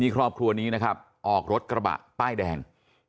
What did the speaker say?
ครอบครัวนี้นะครับออกรถกระบะป้ายแดง